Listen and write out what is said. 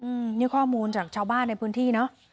อืมนี่ข้อมูลจากชาวบ้านในพื้นที่เนอะ